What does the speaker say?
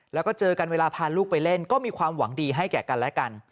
แล้วก็เจอกันเวลาพาลูกไปเล่นก็มีความหวังดีให้แก่กันและกัน